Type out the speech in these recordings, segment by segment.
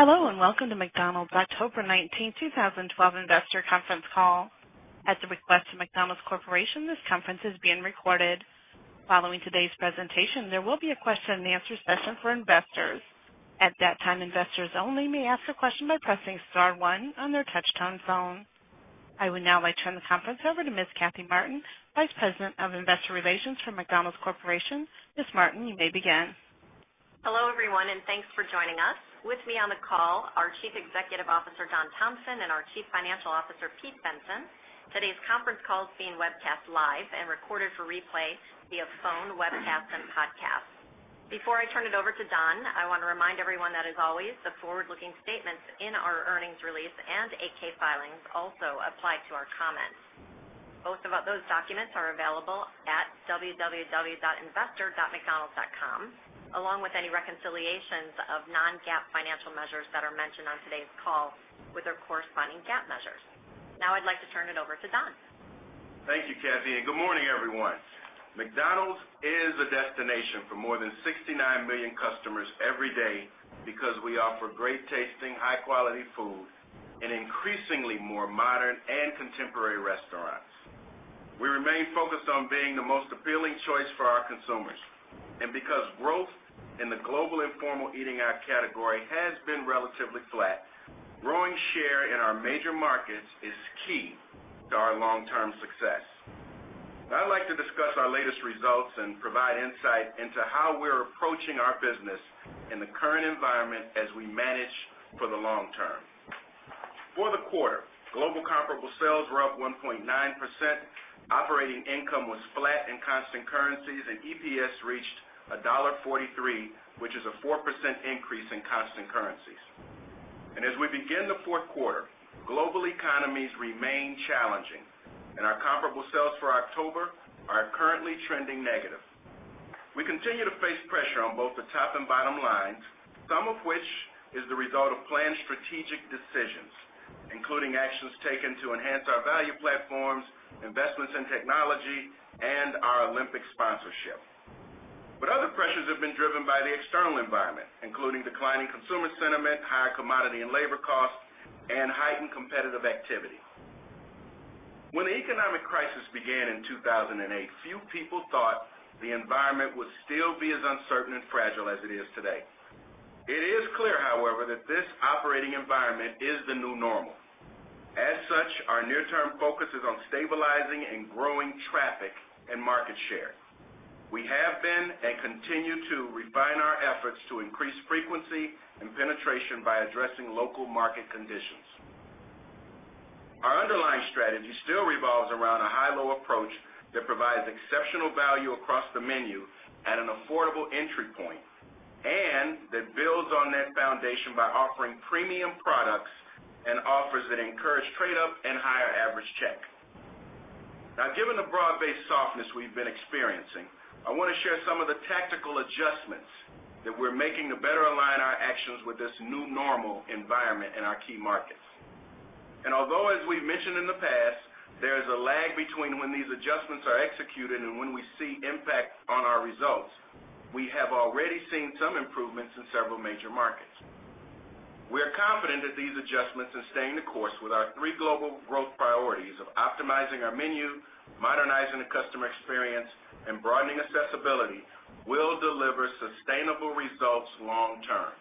Hello, welcome to McDonald's October 19, 2012 investor conference call. At the request of McDonald's Corporation, this conference is being recorded. Following today’s presentation, there will be a question and answer session for investors. At that time, investors only may ask a question by pressing star one on their touch-tone phone. I would now like to turn the conference over to Ms. Kathy Martin, Vice President of Investor Relations for McDonald's Corporation. Ms. Martin, you may begin. Hello, everyone, thanks for joining us. With me on the call, our Chief Executive Officer, Don Thompson, and our Chief Financial Officer, Peter Bensen. Today's conference call is being webcast live and recorded for replay via phone, webcast, and podcast. Before I turn it over to Don, I want to remind everyone that, as always, the forward-looking statements in our earnings release and 8-K filings also apply to our comments. Both of those documents are available at www.investor.mcdonalds.com, along with any reconciliations of non-GAAP financial measures that are mentioned on today’s call with their corresponding GAAP measures. I’d like to turn it over to Don. Thank you, Kathy, good morning, everyone. McDonald's is a destination for more than 69 million customers every day because we offer great-tasting, high-quality food in increasingly more modern and contemporary restaurants. We remain focused on being the most appealing choice for our consumers. Because growth in the global informal eating-out category has been relatively flat, growing share in our major markets is key to our long-term success. I’d like to discuss our latest results and provide insight into how we’re approaching our business in the current environment as we manage for the long term. For the quarter, global comparable sales were up 1.9%, operating income was flat in constant currencies, and EPS reached $1.43, which is a 4% increase in constant currencies. As we begin the fourth quarter, global economies remain challenging, and our comparable sales for October are currently trending negative. We continue to face pressure on both the top and bottom lines, some of which is the result of planned strategic decisions, including actions taken to enhance our value platforms, investments in technology, and our Olympic sponsorship. Other pressures have been driven by the external environment, including declining consumer sentiment, higher commodity and labor costs, and heightened competitive activity. When the economic crisis began in 2008, few people thought the environment would still be as uncertain and fragile as it is today. It is clear, however, that this operating environment is the new normal. As such, our near-term focus is on stabilizing and growing traffic and market share. We have been, and continue to, refine our efforts to increase frequency and penetration by addressing local market conditions. Our underlying strategy still revolves around a high-low approach that provides exceptional value across the menu at an affordable entry point, that builds on that foundation by offering premium products and offers that encourage trade up and higher average check. Given the broad-based softness we've been experiencing, I want to share some of the tactical adjustments that we're making to better align our actions with this new normal environment in our key markets. Although, as we've mentioned in the past, there is a lag between when these adjustments are executed and when we see impact on our results, we have already seen some improvements in several major markets. We are confident that these adjustments and staying the course with our three global growth priorities of optimizing our menu, modernizing the customer experience, and broadening accessibility will deliver sustainable results long term.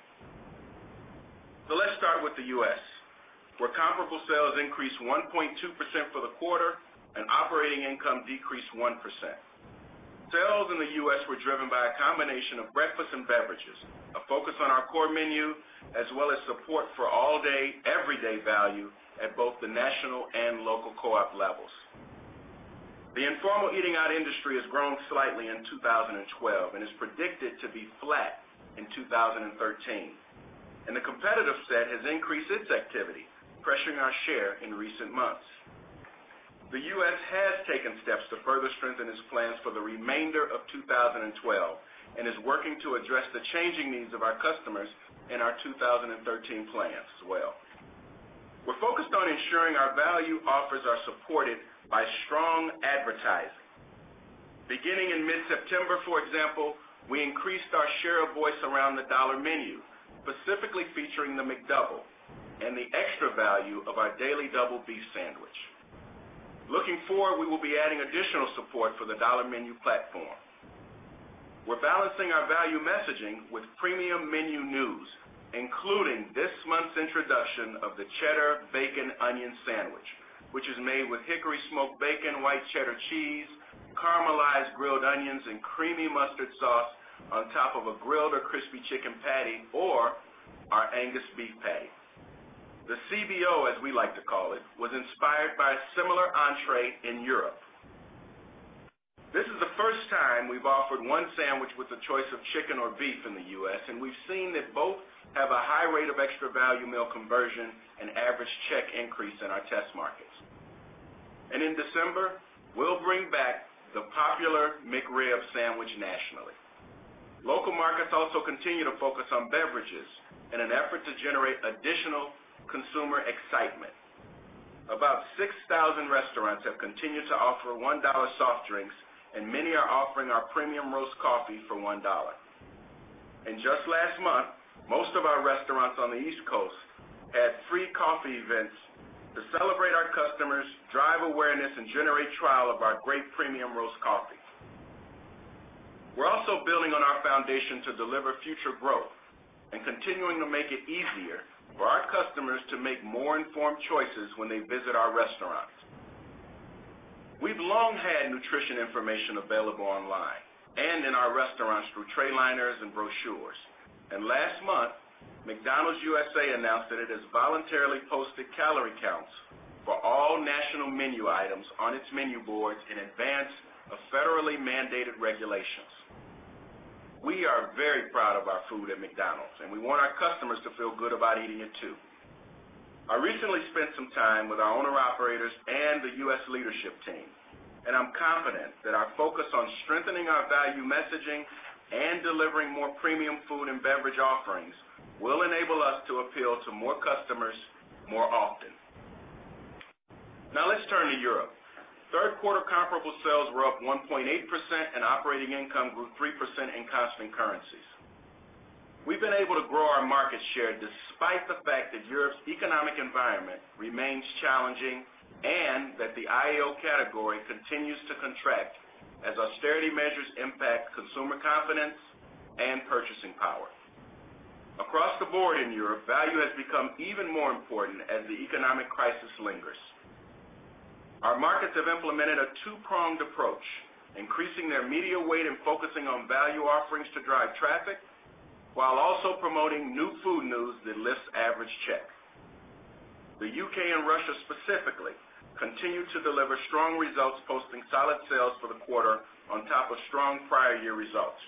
Let's start with the U.S., where comparable sales increased 1.2% for the quarter and operating income decreased 1%. Sales in the U.S. were driven by a combination of breakfast and beverages, a focus on our core menu, as well as support for all-day, everyday value at both the national and local co-op levels. The informal eating-out industry has grown slightly in 2012 and is predicted to be flat in 2013, the competitive set has increased its activity, pressuring our share in recent months. The U.S. has taken steps to further strengthen its plans for the remainder of 2012 and is working to address the changing needs of our customers in our 2013 plans as well. We're focused on ensuring our value offers are supported by strong advertising. Beginning in mid-September, for example, we increased our share of voice around the Dollar Menu, specifically featuring the McDouble and the extra value of our Daily Double beef sandwich. Looking forward, we will be adding additional support for the Dollar Menu platform. We're balancing our value messaging with premium menu news, including this month's introduction of the Cheddar Bacon Onion sandwich, which is made with hickory smoked bacon, white cheddar cheese, caramelized grilled onions, and creamy mustard sauce on top of a grilled or crispy chicken patty or our Angus beef patty. The CBO, as we like to call it, was inspired by a similar entree in Europe. This is the first time we've offered one sandwich with the choice of chicken or beef in the U.S., and we've seen that both have a high rate of Extra Value Meal conversion and average check increase in our test markets. In December, we'll bring back the popular McRib sandwich nationally. Local markets also continue to focus on beverages in an effort to generate additional consumer excitement. About 6,000 restaurants have continued to offer $1 soft drinks, and many are offering our premium roast coffee for $1. Just last month, most of our restaurants on the East Coast had free coffee events to celebrate our customers, drive awareness, and generate trial of our great premium roast coffee. We're also building on our foundation to deliver future growth and continuing to make it easier for our customers to make more informed choices when they visit our restaurants. We've long had nutrition information available online and in our restaurants through tray liners and brochures. Last month, McDonald's USA announced that it has voluntarily posted calorie counts for all national menu items on its menu boards in advance of federally mandated regulations. We are very proud of our food at McDonald's, and we want our customers to feel good about eating it, too. I recently spent some time with our owner-operators and the U.S. leadership team, and I'm confident that our focus on strengthening our value messaging and delivering more premium food and beverage offerings will enable us to appeal to more customers more often. Let's turn to Europe. Third quarter comparable sales were up 1.8% and operating income grew 3% in constant currencies. We've been able to grow our market share despite the fact that Europe's economic environment remains challenging and that the IEO category continues to contract as austerity measures impact consumer confidence and purchasing power. Across the board in Europe, value has become even more important as the economic crisis lingers. Our markets have implemented a two-pronged approach, increasing their media weight and focusing on value offerings to drive traffic, while also promoting new food news that lifts average check. The U.K. and Russia specifically continue to deliver strong results, posting solid sales for the quarter on top of strong prior year results.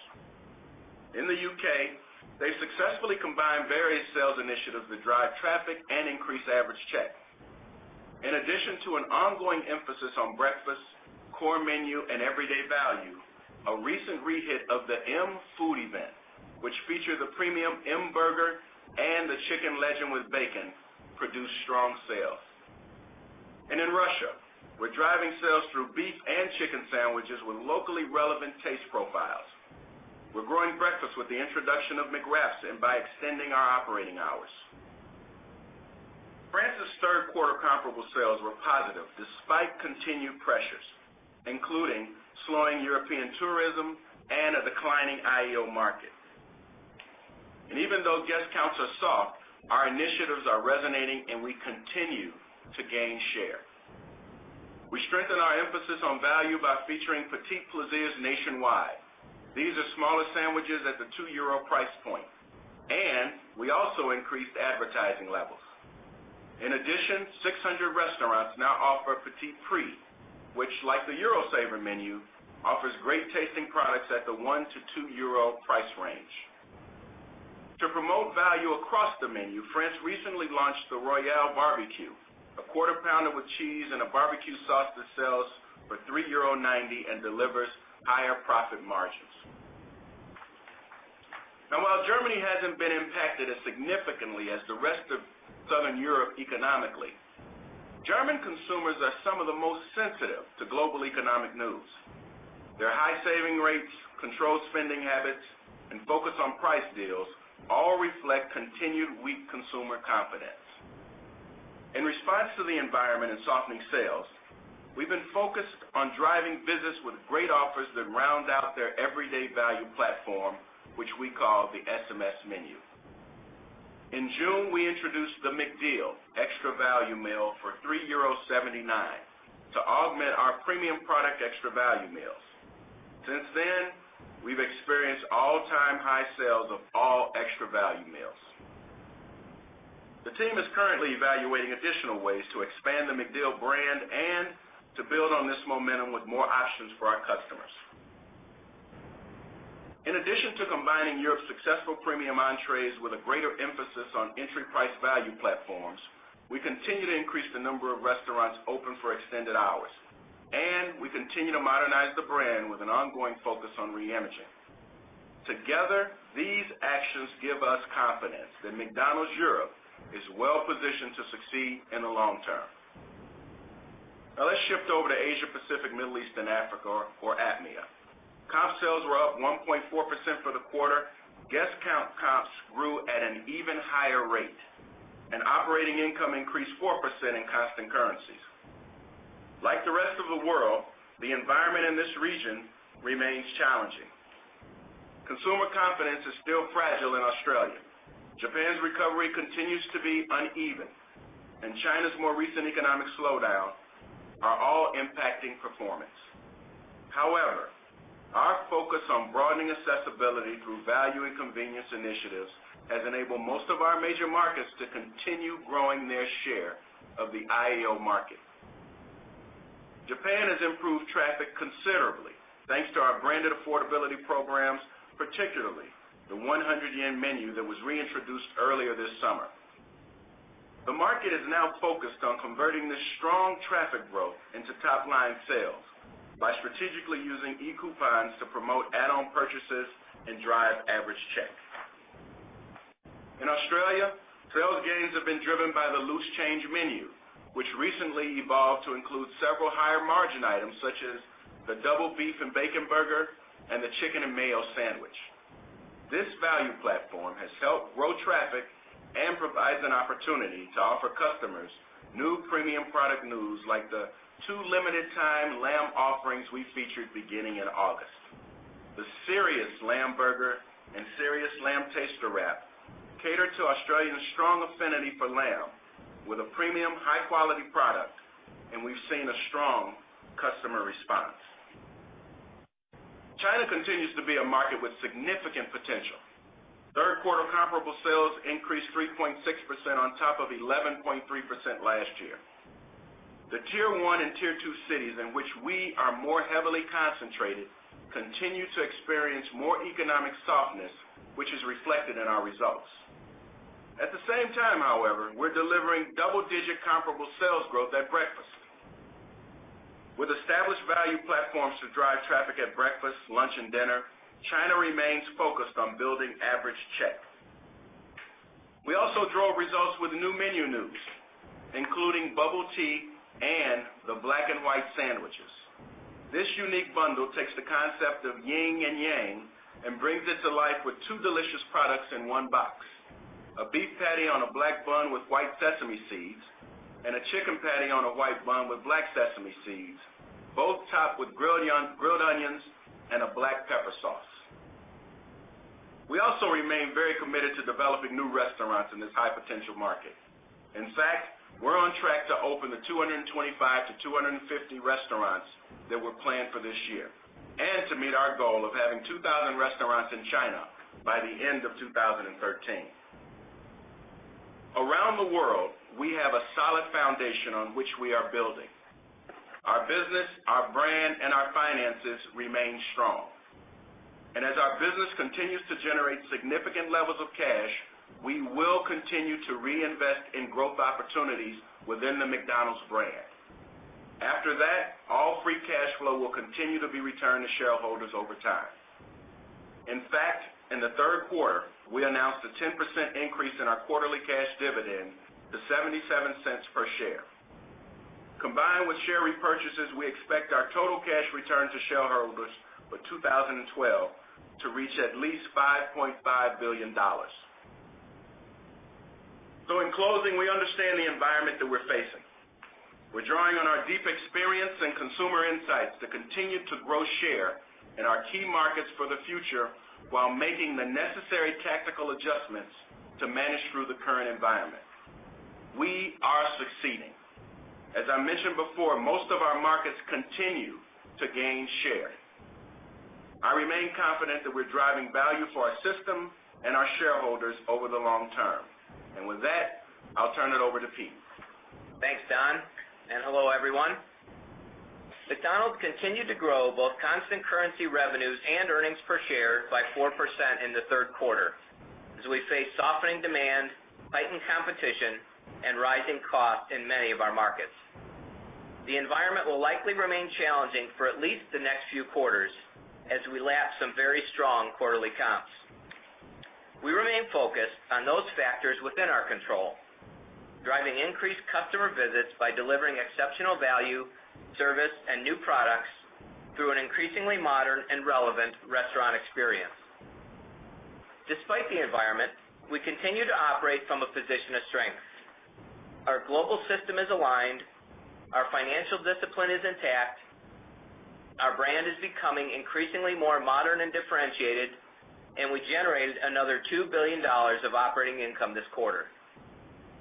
In the U.K., they successfully combined various sales initiatives to drive traffic and increase average check. In addition to an ongoing emphasis on breakfast, core menu, and everyday value, a recent rehit of the M Food event, which featured the premium M Burger and the Chicken Legend with bacon, produced strong sales. In Russia, we're driving sales through beef and chicken sandwiches with locally relevant taste profiles. We're growing breakfast with the introduction of McWraps and by extending our operating hours. France’s third quarter comparable sales were positive despite continued pressures, including slowing European tourism and a declining IEO market. Even though guest counts are soft, our initiatives are resonating, and we continue to gain share. We strengthen our emphasis on value by featuring P'tits Plaisirs nationwide. These are smaller sandwiches at the 2 euro price point, and we also increased advertising levels. In addition, 600 restaurants now offer Petit Prix, which like the Eurosaver Menu, offers great tasting products at the 1 to 2 euro price range. To promote value across the menu, France recently launched the Royale Barbecue, a Quarter Pounder with cheese and a barbecue sauce that sells for €3.90 and delivers higher profit margins. While Germany hasn’t been impacted as significantly as the rest of Southern Europe economically, German consumers are some of the most sensitive to global economic news. Their high savings rates, controlled spending habits, and focus on price deals all reflect continued weak consumer confidence. In response to the environment and softening sales, we've been focused on driving business with great offers that round out their everyday value platform, which we call the McSmart Menü. In June, we introduced the McDeal extra value meal for €3.79 to augment our premium product extra value meals. Since then, we’ve experienced all-time-high sales of all extra value meals. The team is currently evaluating additional ways to expand the McDeal brand and to build on this momentum with more options for our customers. In addition to combining Europe’s successful premium entrees with a greater emphasis on entry price value platforms, we continue to increase the number of restaurants open for extended hours, and we continue to modernize the brand with an ongoing focus on reimaging. Together, these actions give us confidence that McDonald's Europe is well-positioned to succeed in the long term. Let's shift over to Asia Pacific, Middle East, and Africa or APMEA. Comp sales were up 1.4% for the quarter. Guest count comps grew at an even higher rate. Operating income increased 4% in constant currencies. Like the rest of the world, the environment in this region remains challenging. Consumer confidence is still fragile in Australia, Japan's recovery continues to be uneven. China's more recent economic slowdown are all impacting performance. Our focus on broadening accessibility through value and convenience initiatives has enabled most of our major markets to continue growing their share of the IEO market. Japan has improved traffic considerably thanks to our branded affordability programs, particularly the ¥100 menu that was reintroduced earlier this summer. The market is now focused on converting this strong traffic growth into top-line sales by strategically using e-coupons to promote add-on purchases and drive average check. In Australia, sales gains have been driven by the Loose Change Menu, which recently evolved to include several higher margin items such as the Double Beef and Bacon Burger and the Chicken and Mayo Sandwich. This value platform has helped grow traffic and provides an opportunity to offer customers new premium product news like the two limited time lamb offerings we featured beginning in August. The Serious Lamb Burger and Serious Lamb Taster Wrap cater to Australians' strong affinity for lamb with a premium high-quality product. We've seen a strong customer response. China continues to be a market with significant potential. Third quarter comparable sales increased 3.6% on top of 11.3% last year. The Tier 1 and Tier 2 cities in which we are more heavily concentrated continue to experience more economic softness, which is reflected in our results. At the same time, we're delivering double-digit comparable sales growth at breakfast. With established value platforms to drive traffic at breakfast, lunch, and dinner, China remains focused on building average check. We also drove results with new menu news, including Bubble Tea and the Black and White Burgers. This unique bundle takes the concept of yin and yang and brings it to life with two delicious products in one box: a beef patty on a black bun with white sesame seeds, a chicken patty on a white bun with black sesame seeds, both topped with grilled onions and a black pepper sauce. We also remain very committed to developing new restaurants in this high-potential market. We're on track to open the 225-250 restaurants that were planned for this year, to meet our goal of having 2,000 restaurants in China by the end of 2013. Around the world, we have a solid foundation on which we are building. Our business, our brand, and our finances remain strong. As our business continues to generate significant levels of cash, we will continue to reinvest in growth opportunities within the McDonald's brand. After that, all free cash flow will continue to be returned to shareholders over time. In the third quarter, we announced a 10% increase in our quarterly cash dividend to $0.77 per share. Combined with share repurchases, we expect our total cash return to shareholders for 2012 to reach at least $5.5 billion. In closing, we understand the environment that we're facing. We're drawing on our deep experience and consumer insights to continue to grow share in our key markets for the future while making the necessary tactical adjustments to manage through the current environment. We are succeeding. As I mentioned before, most of our markets continue to gain share. I remain confident that we're driving value for our system and our shareholders over the long term. With that, I'll turn it over to Pete. Thanks, Don, and hello, everyone. McDonald's continued to grow both constant currency revenues and earnings per share by 4% in the third quarter as we face softening demand, heightened competition, and rising costs in many of our markets. The environment will likely remain challenging for at least the next few quarters as we lap some very strong quarterly comps. We remain focused on those factors within our control, driving increased customer visits by delivering exceptional value, service, and new products through an increasingly modern and relevant restaurant experience. Despite the environment, we continue to operate from a position of strength. Our global system is aligned, our financial discipline is intact, our brand is becoming increasingly more modern and differentiated, and we generated another $2 billion of operating income this quarter.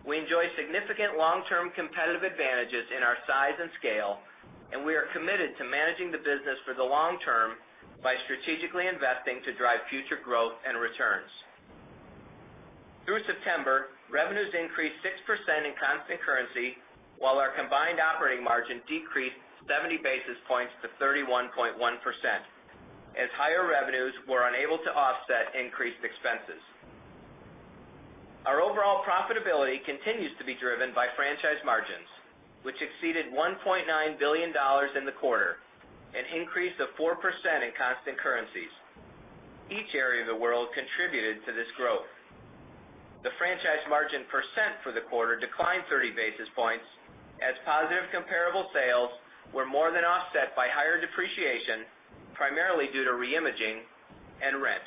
We enjoy significant long-term competitive advantages in our size and scale. We are committed to managing the business for the long term by strategically investing to drive future growth and returns. Through September, revenues increased 6% in constant currency, while our combined operating margin decreased 70 basis points to 31.1% as higher revenues were unable to offset increased expenses. Our overall profitability continues to be driven by franchise margins, which exceeded $1.9 billion in the quarter, an increase of 4% in constant currencies. Each area of the world contributed to this growth. The franchise margin percent for the quarter declined 30 basis points as positive comparable sales were more than offset by higher depreciation, primarily due to re-imaging and rent.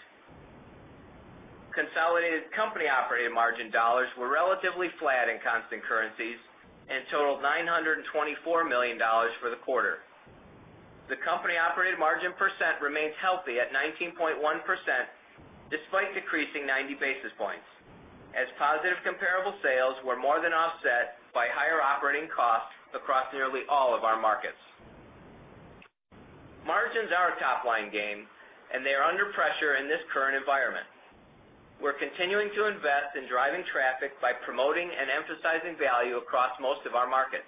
Consolidated company operating margin dollars were relatively flat in constant currencies and totaled $924 million for the quarter. The company operating margin percent remains healthy at 19.1%, despite decreasing 90 basis points as positive comparable sales were more than offset by higher operating costs across nearly all of our markets. Margins are a top-line game. They are under pressure in this current environment. We're continuing to invest in driving traffic by promoting and emphasizing value across most of our markets.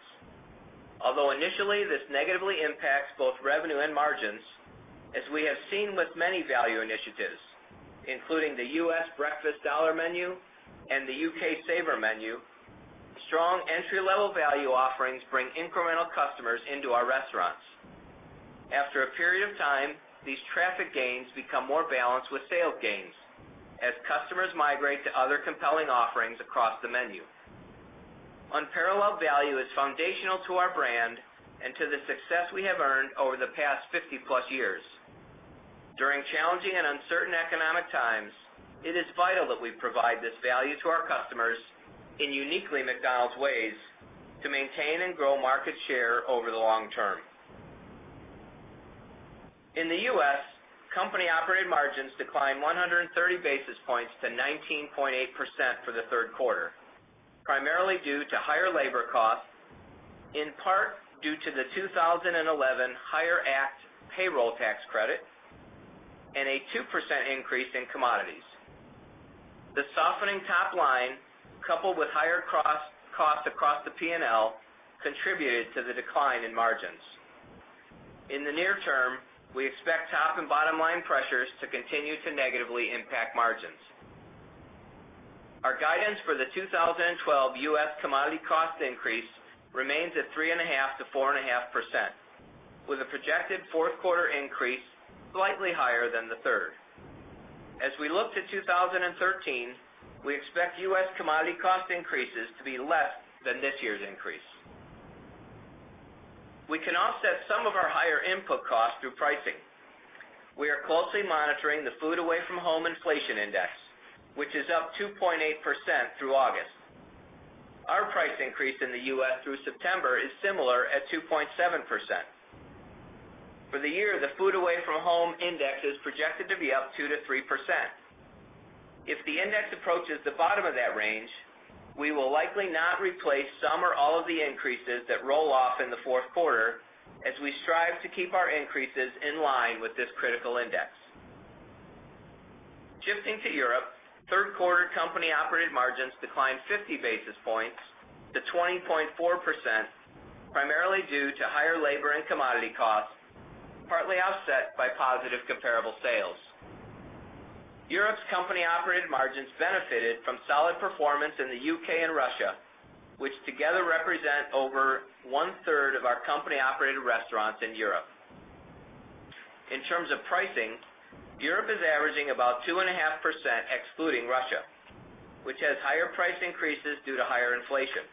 Although initially this negatively impacts both revenue and margins, as we have seen with many value initiatives, including the US Breakfast Dollar Menu and the UK Saver Menu, strong entry-level value offerings bring incremental customers into our restaurants. After a period of time, these traffic gains become more balanced with sales gains as customers migrate to other compelling offerings across the menu. Unparalleled value is foundational to our brand and to the success we have earned over the past 50-plus years. During challenging and uncertain economic times, it is vital that we provide this value to our customers in uniquely McDonald's ways to maintain and grow market share over the long term. In the U.S., company-operated margins declined 130 basis points to 19.8% for the third quarter, primarily due to higher labor costs, in part due to the 2011 HIRE Act payroll tax credit, and a 2% increase in commodities. The softening top line, coupled with higher costs across the P&L, contributed to the decline in margins. In the near term, we expect top and bottom-line pressures to continue to negatively impact margins. Our guidance for the 2012 U.S. commodity cost increase remains at 3.5%-4.5%, with a projected fourth quarter increase slightly higher than the third. As we look to 2013, we expect U.S. commodity cost increases to be less than this year’s increase. We can offset some of our higher input costs through pricing. We are closely monitoring the food away from home inflation index, which is up 2.8% through August. Our price increase in the U.S. through September is similar at 2.7%. For the year, the food away from home index is projected to be up 2%-3%. If the index approaches the bottom of that range, we will likely not replace some or all of the increases that roll off in the fourth quarter as we strive to keep our increases in line with this critical index. Shifting to Europe, third quarter company-operated margins declined 50 basis points to 20.4%, primarily due to higher labor and commodity costs, partly offset by positive comparable sales. Europe’s company-operated margins benefited from solid performance in the U.K. and Russia, which together represent over one-third of our company-operated restaurants in Europe. In terms of pricing, Europe is averaging about 2.5% excluding Russia, which has higher price increases due to higher inflation.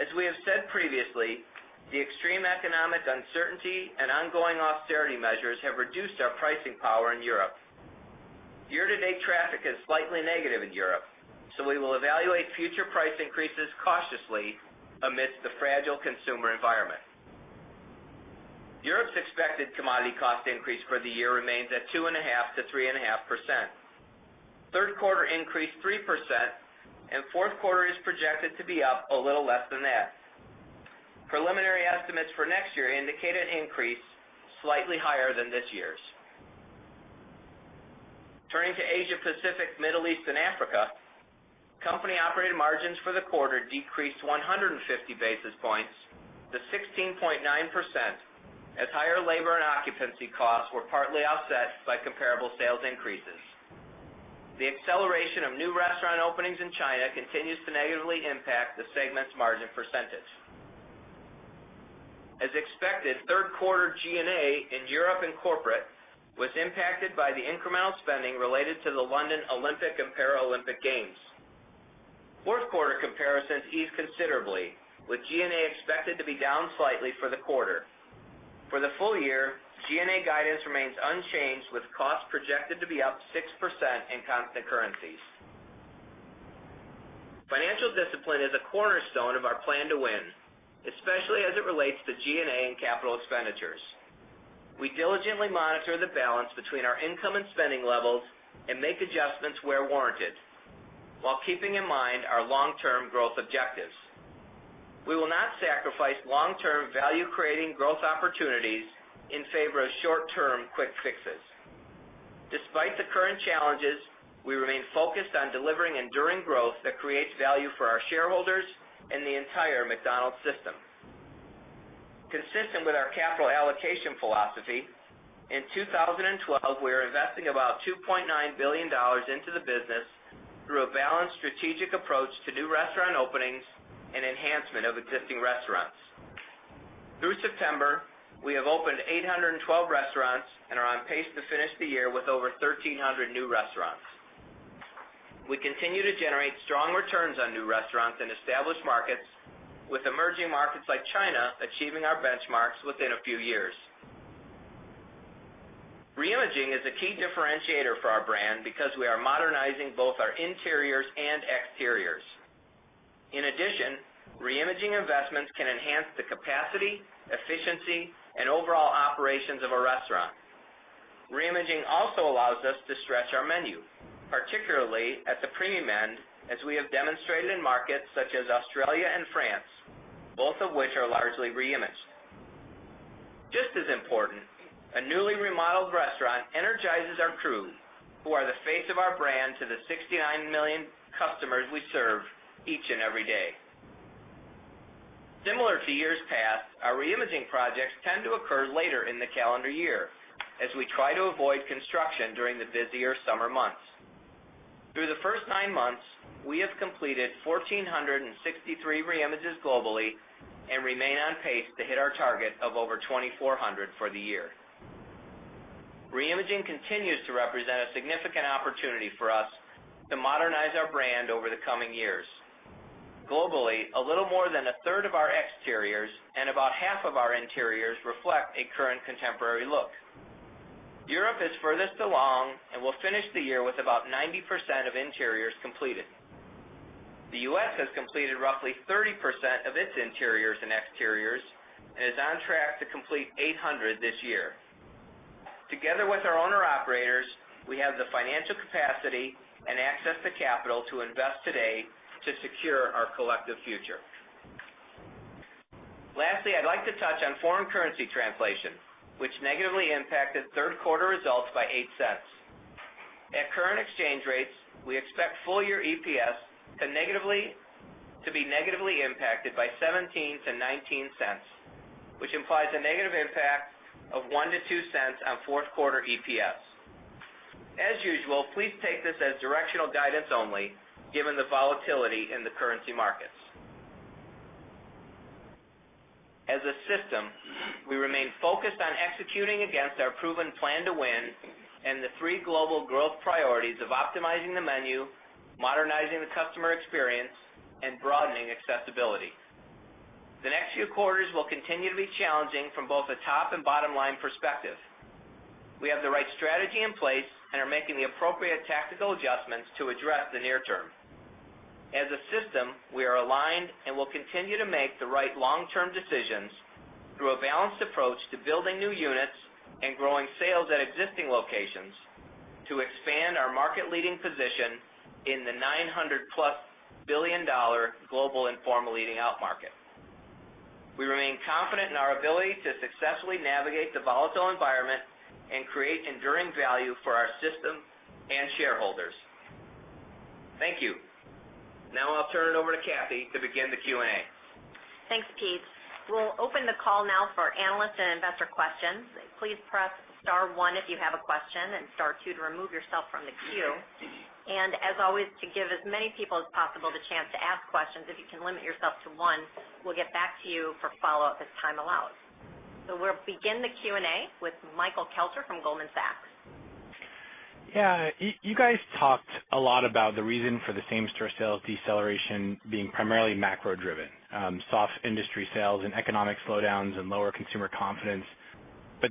As we have said previously, the extreme economic uncertainty and ongoing austerity measures have reduced our pricing power in Europe. We will evaluate future price increases cautiously amidst the fragile consumer environment. Europe’s expected commodity cost increase for the year remains at 2.5%-3.5%. Third quarter increased 3%, and fourth quarter is projected to be up a little less than that. Preliminary estimates for next year indicate an increase slightly higher than this year’s. Turning to Asia, Pacific, Middle East, and Africa, company-operated margins for the quarter decreased 150 basis points to 16.9% as higher labor and occupancy costs were partly offset by comparable sales increases. The acceleration of new restaurant openings in China continues to negatively impact the segment’s margin percentage. As expected, third quarter G&A in Europe and corporate was impacted by the incremental spending related to the London Olympic and Paralympic Games. Fourth quarter comparisons ease considerably, with G&A expected to be down slightly for the quarter. For the full year, G&A guidance remains unchanged, with costs projected to be up 6% in constant currencies. Financial discipline is a cornerstone of our Plan to Win, especially as it relates to G&A and capital expenditures. We diligently monitor the balance between our income and spending levels and make adjustments where warranted while keeping in mind our long-term growth objectives. We will not sacrifice long-term value-creating growth opportunities in favor of short-term quick fixes. Despite the current challenges, we remain focused on delivering enduring growth that creates value for our shareholders and the entire McDonald's system. Consistent with our capital allocation philosophy, in 2012, we are investing about $2.9 billion into the business through a balanced strategic approach to new restaurant openings and enhancement of existing restaurants. Through September, we have opened 812 restaurants and are on pace to finish the year with over 1,300 new restaurants. We continue to generate strong returns on new restaurants in established markets, with emerging markets like China achieving our benchmarks within a few years. Reimaging is a key differentiator for our brand because we are modernizing both our interiors and exteriors. In addition, reimaging investments can enhance the capacity, efficiency, and overall operations of a restaurant. Reimaging also allows us to stretch our menu, particularly at the premium end, as we have demonstrated in markets such as Australia and France, both of which are largely reimaged. Just as important, a newly remodeled restaurant energizes our crew, who are the face of our brand to the 69 million customers we serve each and every day. Similar to years past, our reimaging projects tend to occur later in the calendar year, as we try to avoid construction during the busier summer months. Through the first nine months, we have completed 1,463 reimages globally and remain on pace to hit our target of over 2,400 for the year. Reimaging continues to represent a significant opportunity for us to modernize our brand over the coming years. Globally, a little more than a third of our exteriors and about half of our interiors reflect a current contemporary look. Europe is furthest along and will finish the year with about 90% of interiors completed. The U.S. has completed roughly 30% of its interiors and exteriors and is on track to complete 800 this year. Together with our owner-operators, we have the financial capacity and access to capital to invest today to secure our collective future. Lastly, I'd like to touch on foreign currency translation, which negatively impacted third quarter results by $0.08. At current exchange rates, we expect full year EPS to be negatively impacted by $0.17-$0.19, which implies a negative impact of $0.01-$0.02 on fourth quarter EPS. As usual, please take this as directional guidance only, given the volatility in the currency markets. As a system, we remain focused on executing against our proven Plan to Win and the three global growth priorities of optimizing the menu, modernizing the customer experience, and broadening accessibility. The next few quarters will continue to be challenging from both a top and bottom-line perspective. We have the right strategy in place and are making the appropriate tactical adjustments to address the near term. As a system, we are aligned and will continue to make the right long-term decisions through a balanced approach to building new units and growing sales at existing locations to expand our market-leading position in the 900 plus billion-dollar global informal eating-out market. We remain confident in our ability to successfully navigate the volatile environment and create enduring value for our system and shareholders. Thank you. Now I'll turn it over to Kathy to begin the Q&A. Thanks, Pete. We'll open the call now for analyst and investor questions. Please press star one if you have a question, and star two to remove yourself from the queue. As always, to give as many people as possible the chance to ask questions, if you can limit yourself to one, we'll get back to you for follow-up as time allows. We'll begin the Q&A with Michael Kelter from Goldman Sachs. Yeah. You guys talked a lot about the reason for the same-store sales deceleration being primarily macro-driven, soft industry sales and economic slowdowns and lower consumer confidence.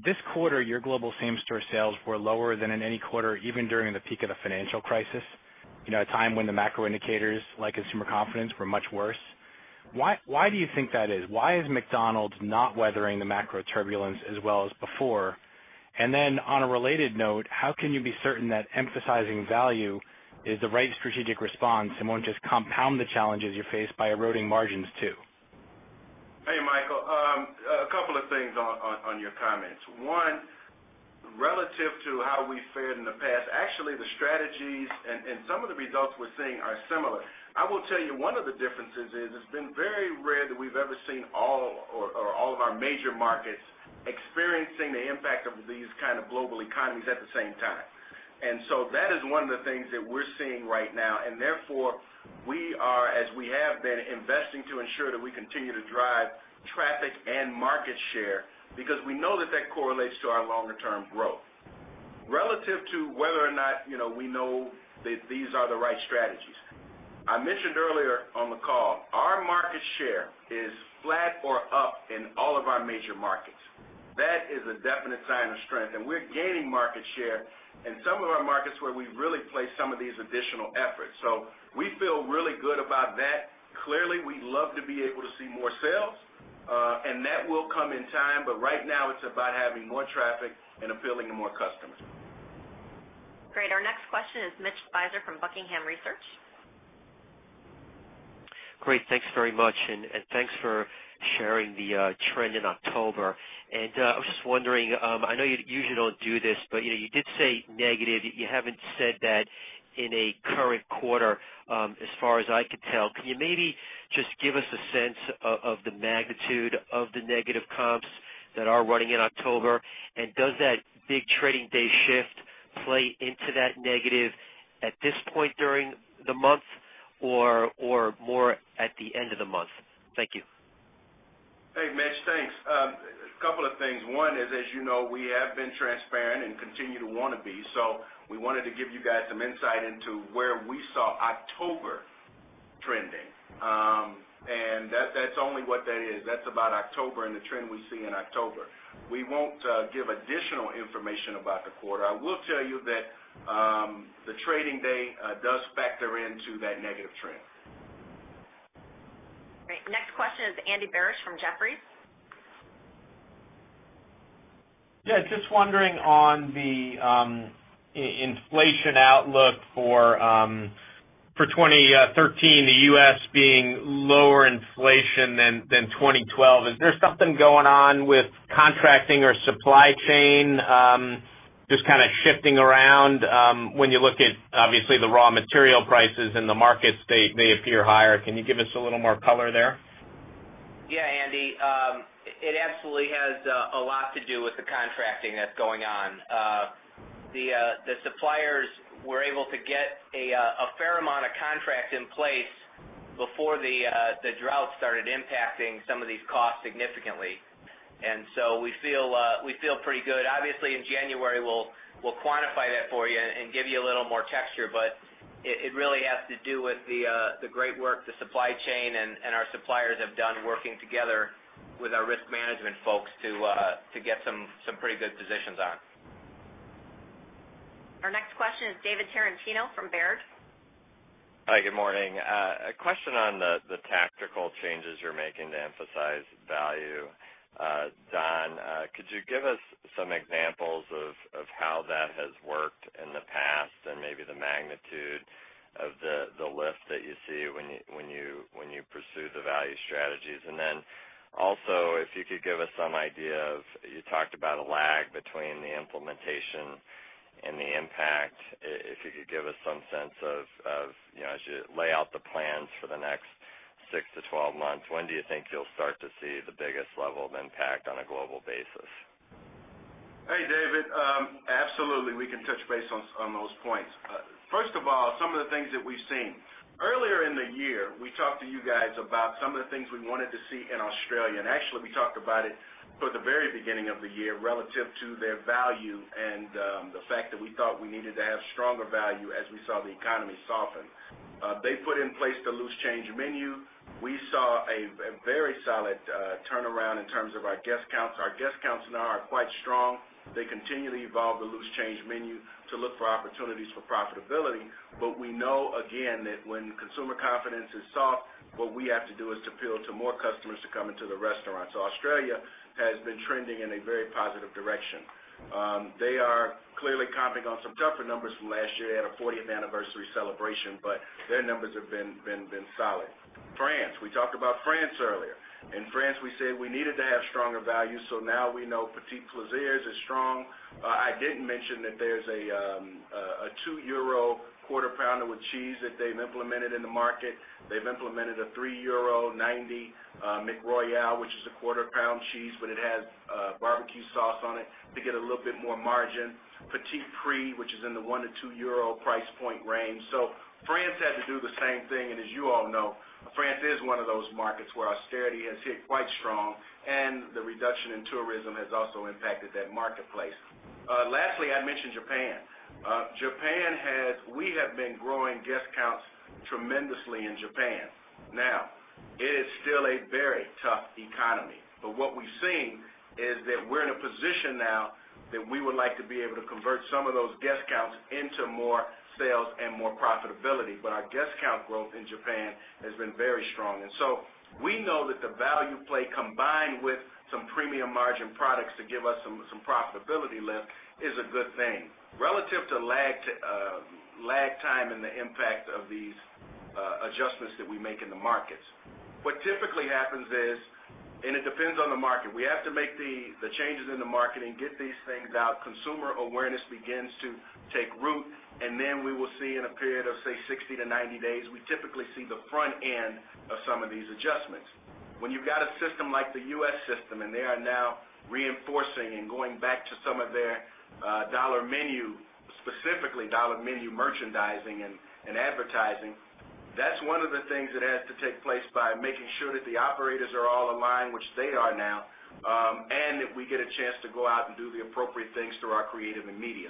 This quarter, your global same-store sales were lower than in any quarter, even during the peak of the financial crisis, a time when the macro indicators, like consumer confidence, were much worse. Why do you think that is? Why is McDonald's not weathering the macro turbulence as well as before? On a related note, how can you be certain that emphasizing value is the right strategic response and won't just compound the challenges you face by eroding margins, too? Hey, Michael. A couple of things on your comments. One, relative to how we fared in the past, actually, the strategies and some of the results we're seeing are similar. I will tell you one of the differences is it's been very rare that we've ever seen all of our major markets experiencing the impact of these kind of global economies at the same time. That is one of the things that we're seeing right now, and therefore, we are, as we have been, investing to ensure that we continue to drive traffic and market share because we know that that correlates to our longer-term growth. Relative to whether or not we know that these are the right strategies, I mentioned earlier on the call, our market share is flat or up in all of our major markets. That is a definite sign of strength, and we're gaining market share in some of our markets where we've really placed some of these additional efforts. We feel really good about that. Clearly, we'd love to be able to see more sales, and that will come in time, but right now it's about having more traffic and appealing to more customers. Great. Our next question is Mitch Speiser from Buckingham Research. Great. Thanks very much, thanks for sharing the trend in October. I was just wondering, I know you usually don't do this, but you did say negative. You haven't said that in a current quarter, as far as I can tell. Can you maybe just give us a sense of the magnitude of the negative comps that are running in October, does that big trading day shift play into that negative at this point during the month or more at the end of the month? Thank you. Hey, Mitch. Thanks. A couple of things. One is, as you know, we have been transparent and continue to want to be. We wanted to give you guys some insight into where we saw October trending. That's only what that is. That's about October and the trend we see in October. We won't give additional information about the quarter. I will tell you that the trading day does factor into that negative trend. Great. Next question is Andy Barish from Jefferies. Just wondering on the inflation outlook for 2013, the U.S. being lower inflation than 2012. Is there something going on with contracting or supply chain just kind of shifting around? When you look at, obviously, the raw material prices in the markets, they appear higher. Can you give us a little more color there? Andy, it absolutely has a lot to do with the contracting that's going on. The suppliers were able to get a fair amount of contracts in place before the drought started impacting some of these costs significantly. We feel pretty good. Obviously, in January, we'll quantify that for you and give you a little more texture, but it really has to do with the great work the supply chain and our suppliers have done working together with our risk management folks to get some pretty good positions on. Our next question is David Tarantino from Baird. Hi, good morning. A question on the tactical changes you're making to emphasize value. Don, could you give us some examples of how that has worked in the past and maybe the magnitude of the lift that you see when you pursue the value strategies? Also, if you could give us some idea of, you talked about a lag between the implementation and the impact. If you could give us some sense of, as you lay out the plans for the next 6 to 12 months, when do you think you'll start to see the biggest level of impact on a global basis? Hey, David. Absolutely, we can touch base on those points. First of all, some of the things that we've seen. Earlier in the year, we talked to you guys about some of the things we wanted to see in Australia. Actually, we talked about it for the very beginning of the year relative to their value and the fact that we thought we needed to have stronger value as we saw the economy soften. They put in place the Loose Change Menu. We saw a very solid turnaround in terms of our guest counts. Our guest counts now are quite strong. They continually evolve the Loose Change Menu to look for opportunities for profitability. We know, again, that when consumer confidence is soft, what we have to do is to appeal to more customers to come into the restaurant. Australia has been trending in a very positive direction. They are clearly comping on some tougher numbers from last year. They had a 40th anniversary celebration. Their numbers have been solid. France, we talked about France earlier. In France, we said we needed to have stronger value. Now we know Petit Plaisirs is strong. I didn't mention that there's a 2 euro Quarter Pounder with Cheese that they've implemented in the market. They've implemented a €3.90 McRoyale, which is a Quarter Pounder with Cheese, but it has barbecue sauce on it to get a little bit more margin. Petit Prix, which is in the one to two EUR price point range. France had to do the same thing, and as you all know, France is one of those markets where austerity has hit quite strong, and the reduction in tourism has also impacted that marketplace. Lastly, I mentioned Japan. We have been growing guest counts tremendously in Japan. Now, it is still a very tough economy. What we've seen is that we're in a position now that we would like to be able to convert some of those guest counts into more sales and more profitability. Our guest count growth in Japan has been very strong. We know that the value play combined with some premium margin products to give us some profitability lift is a good thing. Relative to lag time and the impact of these adjustments that we make in the markets. What typically happens is, and it depends on the market, we have to make the changes in the market and get these things out. Consumer awareness begins to take root, and then we will see in a period of, say, 60 to 90 days, we typically see the front end of some of these adjustments. When you've got a system like the U.S. system, and they are now reinforcing and going back to some of their Dollar Menu, specifically Dollar Menu merchandising and advertising, that's one of the things that has to take place by making sure that the operators are all aligned, which they are now, and that we get a chance to go out and do the appropriate things through our creative and media.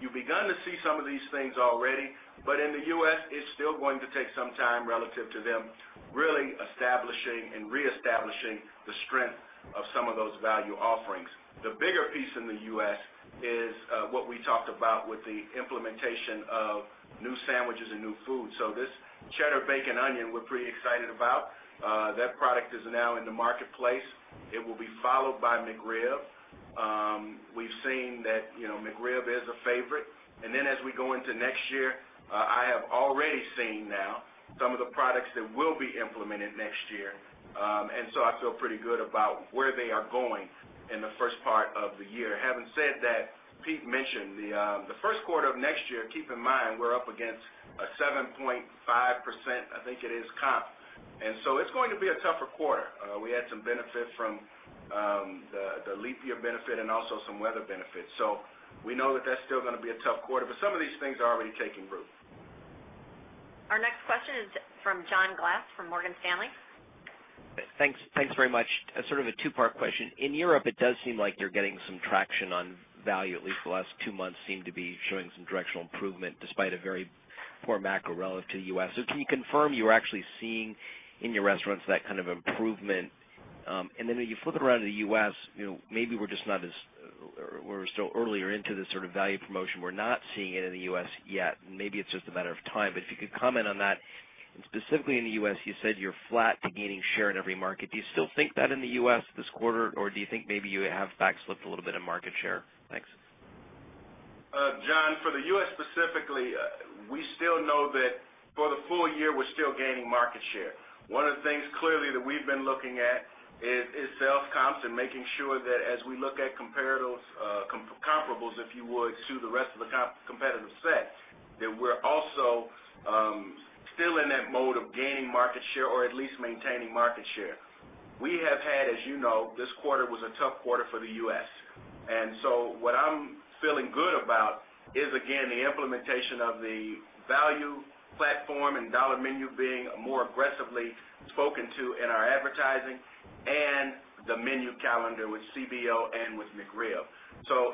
You've begun to see some of these things already, but in the U.S., it's still going to take some time relative to them really establishing and reestablishing the strength of some of those value offerings. The bigger piece in the U.S. is what we talked about with the implementation of new sandwiches and new food. This Cheddar Bacon Onion we're pretty excited about. That product is now in the marketplace. It will be followed by McRib. We've seen that McRib is a favorite. Then as we go into next year, I have already seen now some of the products that will be implemented next year. I feel pretty good about where they are going in the first part of the year. Having said that, Pete mentioned the first quarter of next year, keep in mind, we're up against a 7.5%, I think it is, comp. It's going to be a tougher quarter. We had some benefit from the leap year benefit and also some weather benefits. We know that that's still going to be a tough quarter, but some of these things are already taking root. Our next question is from John Glass from Morgan Stanley. Thanks very much. Sort of a two-part question. In Europe, it does seem like you're getting some traction on value. At least the last two months seem to be showing some directional improvement despite a very poor macro relative to the U.S. Can you confirm you're actually seeing in your restaurants that kind of improvement? Then if you flip it around to the U.S., maybe we're still earlier into this sort of value promotion. We're not seeing it in the U.S. yet. Maybe it's just a matter of time, but if you could comment on that. Specifically in the U.S., you said you're flat to gaining share in every market. Do you still think that in the U.S. this quarter, or do you think maybe you have backslid a little bit in market share? Thanks. John, for the U.S. specifically, we still know that for the full year, we're still gaining market share. One of the things clearly that we've been looking at is sales comps and making sure that as we look at comparables, if you would, to the rest of the competitive set, that we're also still in that mode of gaining market share, or at least maintaining market share. We have had, as you know, this quarter was a tough quarter for the U.S. What I'm feeling good about is, again, the implementation of the value platform and Dollar Menu being more aggressively spoken to in our advertising and the menu calendar with CBO and with McRib.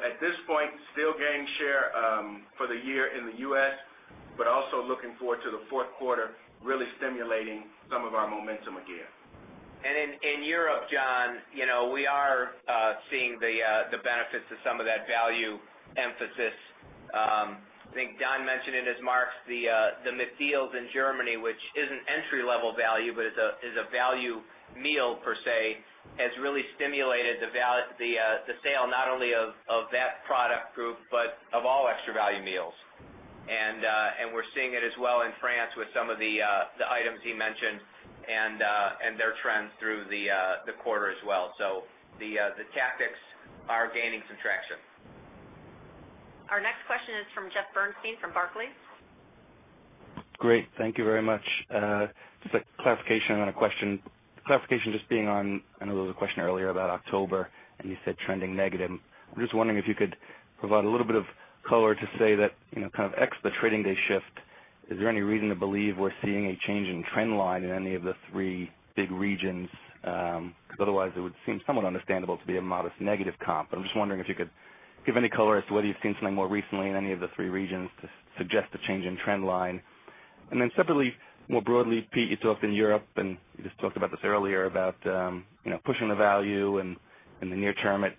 At this point, still gaining share for the year in the U.S., but also looking forward to the fourth quarter, really stimulating some of our momentum again. In Europe, John, we are seeing the benefits of some of that value emphasis. I think Don mentioned it as McDeals in Germany, which isn't entry-level value, but is a value meal per se, has really stimulated the sale, not only of that product group, but of all Extra Value Meals. We're seeing it as well in France with some of the items he mentioned and their trends through the quarter as well. The tactics are gaining some traction. Our next question is from Jeffrey Bernstein from Barclays. Great. Thank you very much. Just a clarification on a question. Clarification just being on, I know there was a question earlier about October, and you said trending negative. I'm just wondering if you could provide a little bit of color to say that, kind of ex the trading day shift, is there any reason to believe we're seeing a change in trend line in any of the three big regions? Because otherwise it would seem somewhat understandable to be a modest negative comp. I'm just wondering if you could give any color as to whether you've seen something more recently in any of the three regions to suggest a change in trend line. Then separately, more broadly, Pete, you talked in Europe and you just talked about this earlier, about pushing the value and in the near term, it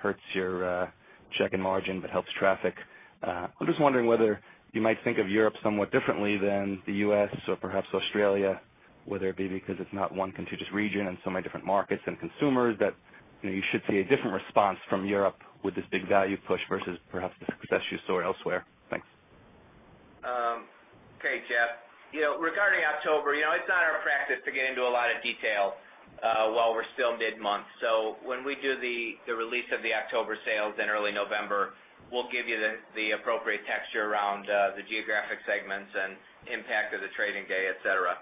hurts your check and margin, but helps traffic. I'm just wondering whether you might think of Europe somewhat differently than the U.S. or perhaps Australia, whether it be because it's not one contiguous region and so many different markets and consumers that you should see a different response from Europe with this big value push versus perhaps the success you saw elsewhere. Thanks. Okay, Jeff. Regarding October, it's not our practice to get into a lot of detail while we're still mid-month. When we do the release of the October sales in early November, we'll give you the appropriate texture around the geographic segments and impact of the trading day, et cetera.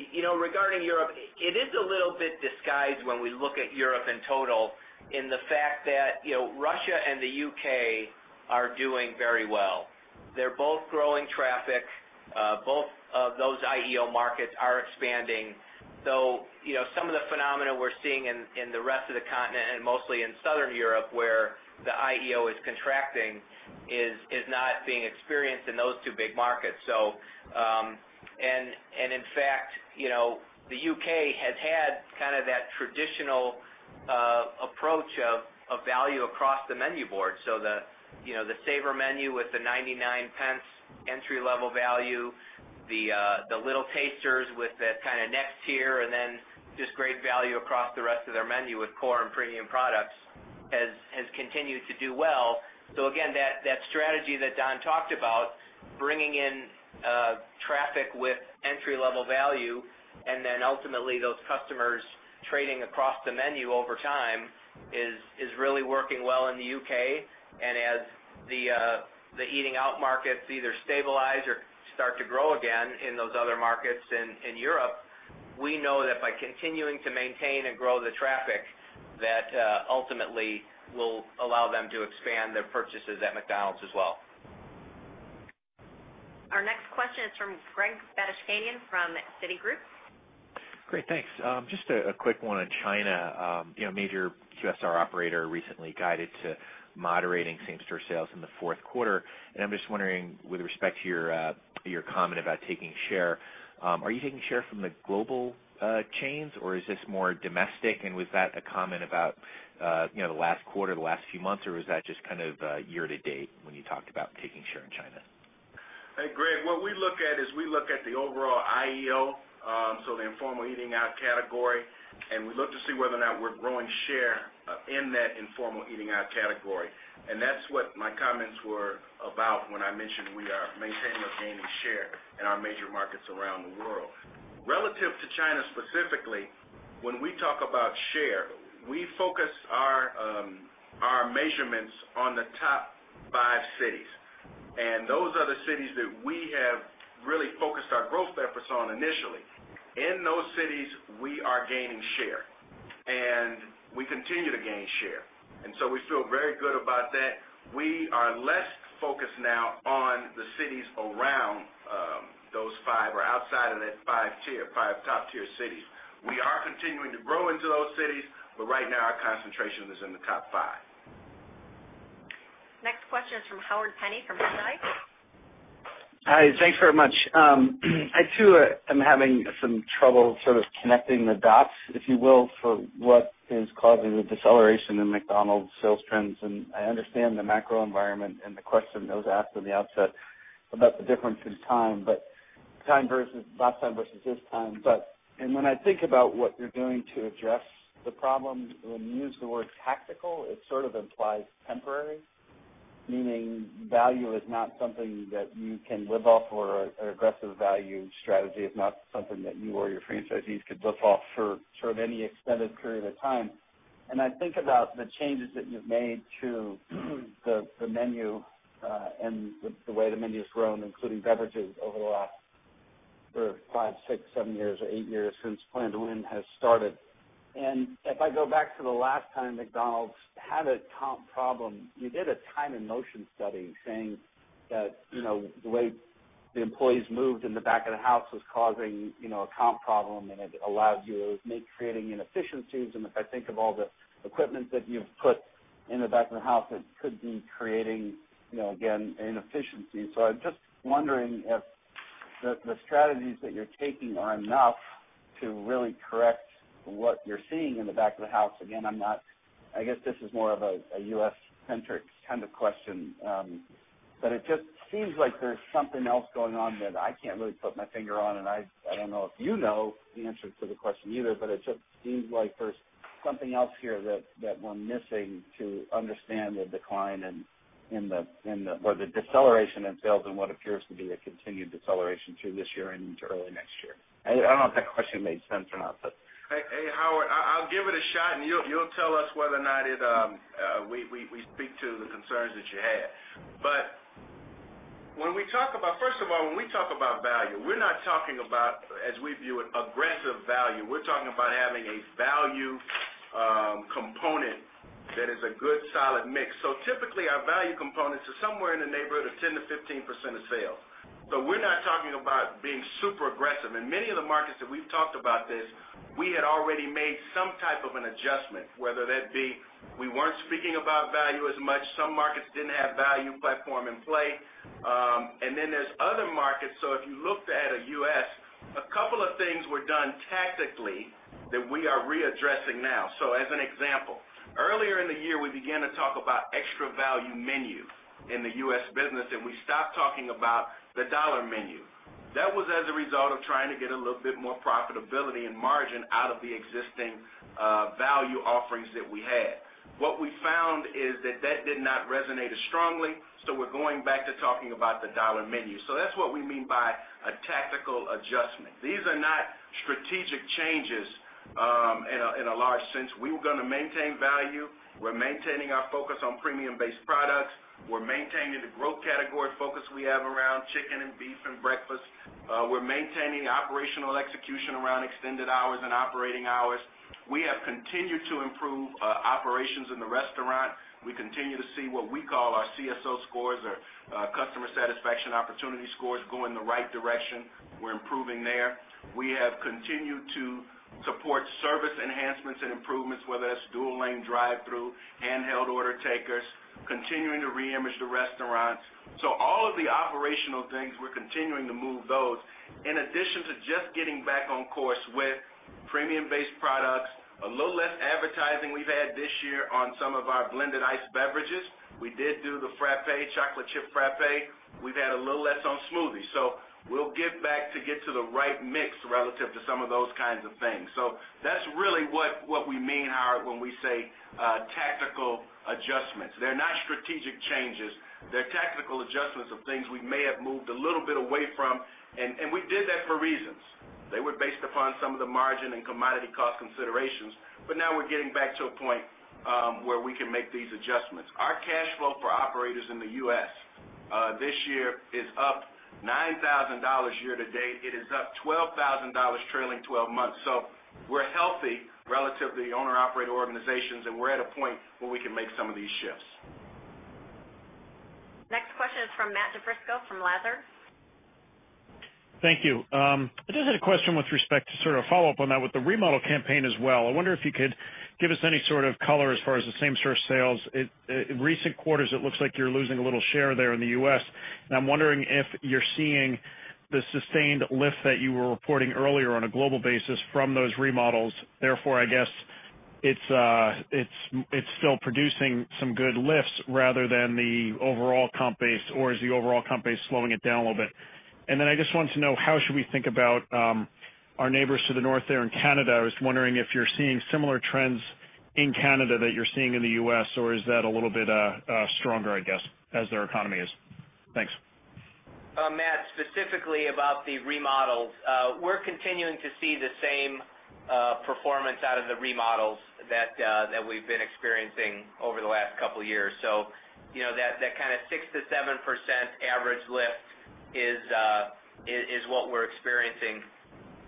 Regarding Europe, it is a little bit disguised when we look at Europe in total in the fact that Russia and the U.K. are doing very well. They're both growing traffic. Both of those IEO markets are expanding. Some of the phenomena we're seeing in the rest of the continent and mostly in Southern Europe where the IEO is contracting is not being experienced in those two big markets. In fact, the U.K. has had kind of that traditional approach of value across the menu board. The Saver Menu with the 0.99 entry level value, the little tasters with the kind of next tier, then just great value across the rest of their menu with core and premium products has continued to do well. Again, that strategy that Don talked about, bringing in traffic with entry level value and then ultimately those customers trading across the menu over time is really working well in the U.K. As the eating out markets either stabilize or start to grow again in those other markets in Europe, we know that by continuing to maintain and grow the traffic, that ultimately will allow them to expand their purchases at McDonald's as well. Our next question is from Gregory Badishkanian from Citigroup. Great. Thanks. Just a quick one on China. A major QSR operator recently guided to moderating same store sales in the fourth quarter. I'm just wondering with respect to your comment about taking share, are you taking share from the global chains, or is this more domestic? Was that a comment about the last quarter, the last few months, or was that just kind of year to date when you talked about taking share in China? Hey, Greg. What we look at is we look at the overall IEO, so the informal eating out category, we look to see whether or not we're growing share in that informal eating out category. That's what my comments were about when I mentioned we are maintaining or gaining share in our major markets around the world. Relative to China specifically, when we talk about share, we focus our measurements on the top five cities, those are the cities that we have really focused our growth efforts on initially. In those cities, we are gaining share, we continue to gain share. So we feel very good about that. We are less focused now on the cities around those five or outside of that five top tier cities. We are continuing to grow into those cities, but right now our concentration is in the top five. Next question is from Howard Penney from Bernstein. Hi. Thanks very much. I too am having some trouble sort of connecting the dots, if you will, for what is causing the deceleration in McDonald's sales trends. I understand the macro environment and the question that was asked on the outset about the difference in time, last time versus this time. When I think about what you're doing to address the problem, when you use the word tactical, it sort of implies temporary, meaning value is not something that you can live off, or an aggressive value strategy is not something that you or your franchisees could live off for sort of any extended period of time. I think about the changes that you've made to the menu, and the way the menu's grown, including beverages over the last five, six, seven years, or eight years since Plan to Win has started. If I go back to the last time McDonald's had a comp problem, you did a time and motion study saying that the way the employees moved in the back of the house was causing a comp problem, it allowed you, it was maybe creating inefficiencies. If I think of all the equipment that you've put in the back of the house, it could be creating again, an inefficiency. I'm just wondering if the strategies that you're taking are enough to really correct what you're seeing in the back of the house. Again, I guess this is more of a U.S.-centric kind of question. It just seems like there's something else going on that I can't really put my finger on. I don't know if you know the answer to the question either, it just seems like there's something else here that we're missing to understand the decline or the deceleration in sales and what appears to be a continued deceleration through this year and into early next year. I don't know if that question made sense or not. Hey, Howard, I'll give it a shot. You'll tell us whether or not we speak to the concerns that you have. First of all, when we talk about value, we're not talking about, as we view it, aggressive value. We're talking about having a value component that is a good, solid mix. Typically, our value components are somewhere in the neighborhood of 10%-15% of sales. We're not talking about being super aggressive. In many of the markets that we've talked about this, we had already made some type of an adjustment, whether that be we weren't speaking about value as much, some markets didn't have value platform in play. Then there's other markets, if you looked at a U.S., a couple of things were done tactically that we are readdressing now. As an example, earlier in the year, we began to talk about Extra Value Menu in the U.S. business. We stopped talking about the Dollar Menu. That was as a result of trying to get a little bit more profitability and margin out of the existing value offerings that we had. What we found is that that did not resonate as strongly, we're going back to talking about the Dollar Menu. That's what we mean by a tactical adjustment. These are not strategic changes, in a large sense. We were going to maintain value. We're maintaining our focus on premium-based products. We're maintaining the growth category focus we have around chicken and beef and breakfast. We're maintaining operational execution around extended hours and operating hours. We have continued to improve operations in the restaurant. We continue to see what we call our CSO scores, our customer satisfaction opportunity scores, go in the right direction. We're improving there. We have continued to support service enhancements and improvements, whether that's dual lane drive-through, handheld order takers, continuing to re-image the restaurants. All of the operational things, we're continuing to move those. In addition to just getting back on course with premium-based products, a little less advertising we've had this year on some of our blended ice beverages. We did do the Frappé, chocolate chip Frappé. We've had a little less on smoothies. We'll get back to get to the right mix relative to some of those kinds of things. That's really what we mean, Howard, when we say tactical adjustments. They're not strategic changes. They're tactical adjustments of things we may have moved a little bit away from, and we did that for reasons. They were based upon some of the margin and commodity cost considerations. Now we're getting back to a point where we can make these adjustments. Our cash flow for operators in the U.S. this year is up $9,000 year to date. It is up $12,000 trailing 12 months. We're healthy relative to the owner-operator organizations, and we're at a point where we can make some of these shifts. Next question is from Matthew DiFrisco from Lazard. Thank you. I just had a question with respect to sort of a follow-up on that with the remodel campaign as well. I wonder if you could give us any sort of color as far as the same store sales. In recent quarters, it looks like you're losing a little share there in the U.S., and I'm wondering if you're seeing the sustained lift that you were reporting earlier on a global basis from those remodels. I guess it's still producing some good lifts rather than the overall comp base, or is the overall comp base slowing it down a little bit? I just wanted to know how should we think about our neighbors to the north there in Canada? I was wondering if you're seeing similar trends in Canada that you're seeing in the U.S., or is that a little bit stronger, I guess, as their economy is? Thanks. Matt, specifically about the remodels. We're continuing to see the same performance out of the remodels that we've been experiencing over the last couple of years. That kind of 6%-7% average lift is what we're experiencing.